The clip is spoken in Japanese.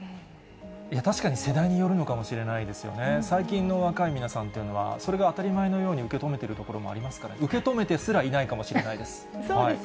確かに、世代によるのかもしれないですよね。最近の若い皆さんというのは、それが当たり前のように受け止めてるところもありますから、受け止めてすらいないかもしれないです。